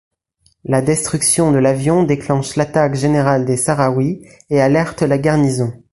La destruction de l'avion déclenche l'attaque générale des sahraouis et alerte la garnison.